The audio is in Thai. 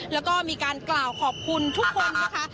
แล้วก็มีการกล่าวขอบคุณทุกคนนะคะ